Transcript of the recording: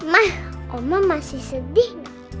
ma oma masih sedih